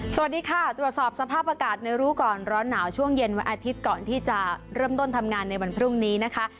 สวัสดีค่ะตรวจสอบสภาพอากาศในรู้ก่อนร้อนหนาวช่วงเย็นวันอาทิตย์ก่อนที่จะเริ่มต้นทำงานในวันพรุ่งนี้นะคะ